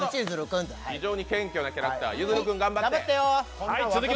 非常に謙虚なキャラクター、ゆずる君、頑張って。